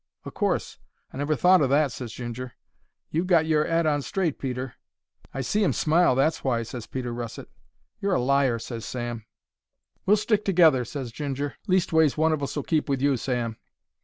"O' course; I never thought o' that," ses Ginger. "You've got your 'ead on straight, Peter." "I see 'im smile, that's why," ses Peter Russet. "You're a liar," ses Sam. "We'll stick together," ses Ginger. "Leastways, one of us'll keep with you, Sam."